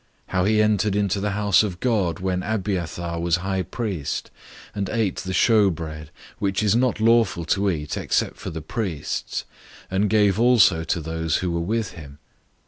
002:026 How he entered into the house of God when Abiathar was high priest, and ate the show bread, which is not lawful to eat except for the priests, and gave also to those who were with him?"